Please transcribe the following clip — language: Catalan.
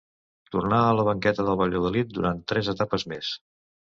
Tornà a la banqueta del Valladolid durant tres etapes més.